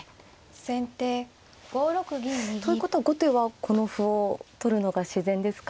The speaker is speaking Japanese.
先手５六銀右。ということは後手はこの歩を取るのが自然ですか。